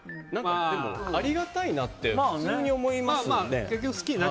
ありがたいなって普通に思いますよね。